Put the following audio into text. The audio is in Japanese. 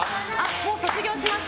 もう卒業しました。